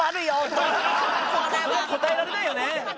これは答えられないよね。